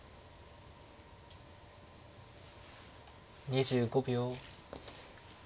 ２５秒。